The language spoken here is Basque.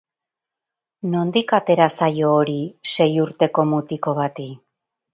Nondik atera zaio hori, sei urteko mutiko bati?